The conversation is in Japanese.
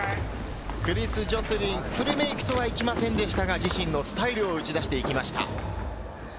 クリス・ジョスリン、フルメイクとはいきませんでしたが、自身のスタイルを打ち出していきました。